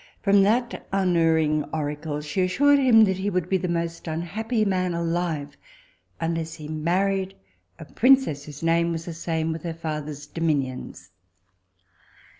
From that unerring oracle she assured him, that he would be the most unhappy man alive unless he married a princess whose name was the same with her father's dominions.